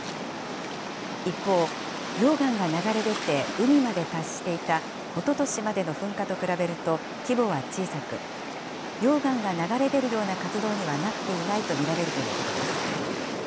一方、溶岩が流れ出て海まで達していたおととしまでの噴火と比べると、規模は小さく、溶岩が流れ出るような活動にはなっていないと見られるということです。